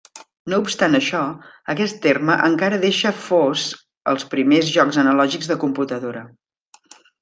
No obstant això, aquest terme encara deixa fos els primers jocs analògics de computadora.